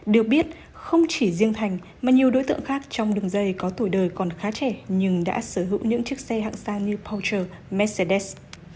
được biết không chỉ riêng thành mà nhiều đối tượng khác trong đường dây có tuổi đời còn khá trẻ nhưng đã sở hữu những chiếc xe hạng sàn như poucher mercedes